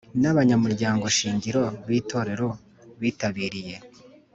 n abanyamuryango shingiro b Itorrero bitabiriye